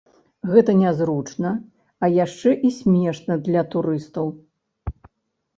Гэта нязручна, а яшчэ і смешна для турыстаў.